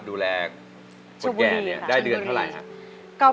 ดูแลคนแก่เนี่ยได้เดือนเท่าไหร่ครับ